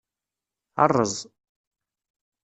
Rreẓ.